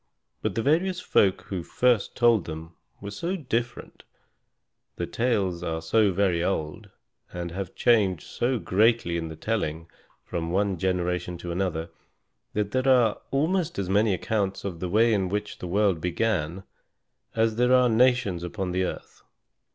But the various folk who first told them were so very different, the tales are so very old, and have changed so greatly in the telling from one generation to another, that there are almost as many accounts of the way in which the world began as there are nations upon the earth.